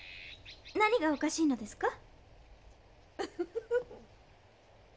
何がおかしいのですか？